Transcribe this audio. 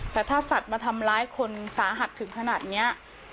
แต่ถ้าสัตว์มาทำร้ายคนสาหัสถึงขนาดนี้